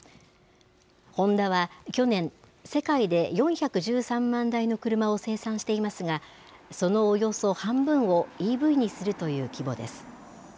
ホンダは去年、世界で４１３万台の車を生産していますが、そのおよそ半分をＥＶにするという規模です。